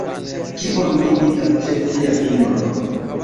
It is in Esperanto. Kion mi vidas ĉe cia fingro?